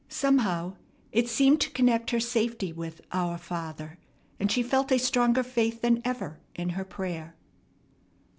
Somehow it seemed to connect her safety with "our Father," and she felt a stronger faith than ever in her prayer.